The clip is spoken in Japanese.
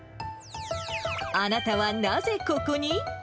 あなたはなぜここに？